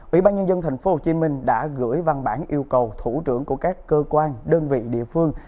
ủy ban nhân dân tp hcm đã gửi văn bản yêu cầu thủ trưởng của các cơ quan đơn vị địa phương